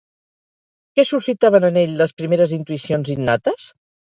Què suscitaven en ell les primeres intuïcions innates?